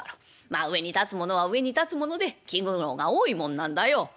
まあ上に立つ者は上に立つ者で気苦労が多いもんなんだよ」。